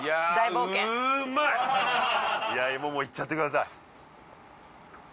もうもういっちゃってください